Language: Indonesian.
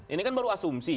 ini kan baru asumsi